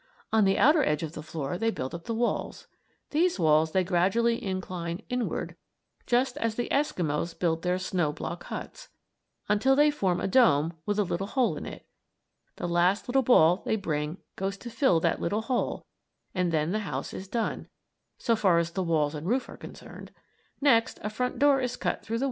On the outer edge of the floor they build up the walls. These walls they gradually incline inward, just as the Eskimos build their snow block huts, until they form a dome with a little hole in it. The last little ball they bring goes to fill that little hole and then the house is done, so far as the walls and roof are concerned. Next, a front door is cut through the wall that faces the road.